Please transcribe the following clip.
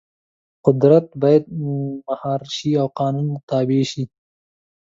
قدرت باید مهار شي او د قانون تابع وي.